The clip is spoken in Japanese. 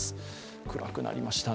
暗くなりましたね。